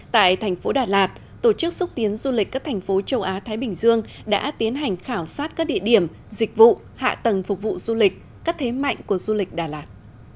tại thành phố đà lạt tổ chức xúc tiến du lịch các thành phố châu á thái bình dương đã tiến hành khảo sát các địa điểm dịch vụ hạ tầng phục vụ du lịch các thế mạnh của du lịch đà lạt